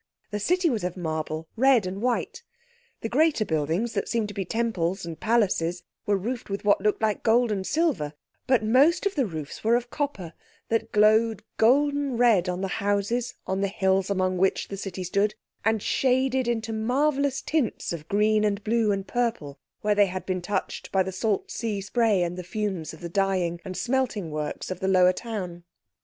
The city was of marble, red and white. The greater buildings that seemed to be temples and palaces were roofed with what looked like gold and silver, but most of the roofs were of copper that glowed golden red on the houses on the hills among which the city stood, and shaded into marvellous tints of green and blue and purple where they had been touched by the salt sea spray and the fumes of the dyeing and smelting works of the lower town.